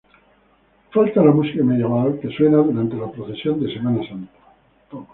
Falta la música medieval que suena durante la procesión de Semana Santa.